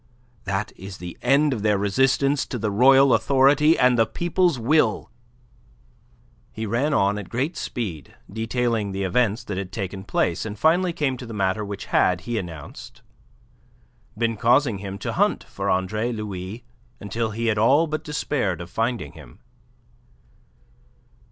That is the end of their resistance to the royal authority and the people's will." He ran on at great speed detailing the events that had taken place, and finally came to the matter which had, he announced, been causing him to hunt for Andre Louis until he had all but despaired of finding him.